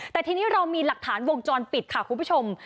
แต่ทีนี้เรามีหลักฐานวงจรปิดค่ะคุณผู้ชม